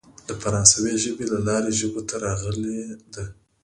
د فرانسوۍ ژبې له لارې ژبو ته راغلې ده.